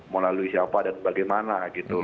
melalui siapa dan bagaimana